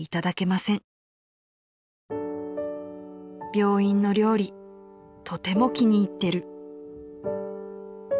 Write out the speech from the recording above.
［「病院の料理とても気に入ってる」］